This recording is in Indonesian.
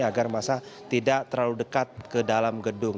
agar masa tidak terlalu dekat ke dalam gedung